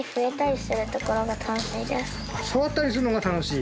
触ったりするのが楽しい？